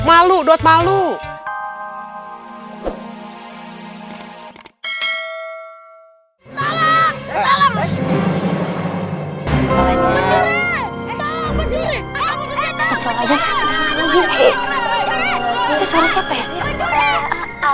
atau siapa ya